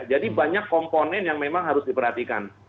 jadi banyak komponen yang memang harus diperhatikan